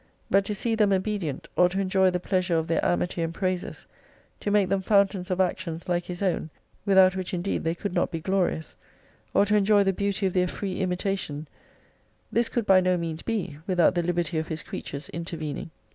But to see them obedient, or to enjoy the pleasure of their amity and praises, to make them fountains of actions like His own (without which indeed they could not be glorious) or to enjoy the beauty of their free imitation, this could by no means be, without the liberty of His creatures intervening.